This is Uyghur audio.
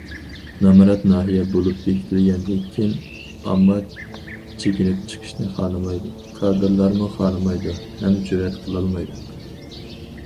نامرات ناھىيە بولۇپ بېكىتىلگەندىن كېيىن ئامما چېكىنىپ چىقىشنى خالىمايدۇ، كادىرلارمۇ خالىمايدۇ ھەم جۈرئەت قىلالمايدۇ.